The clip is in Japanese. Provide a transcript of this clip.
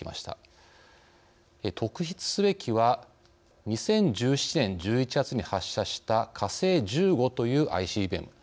特筆すべきは２０１７年１１月に発射した火星１５というＩＣＢＭ。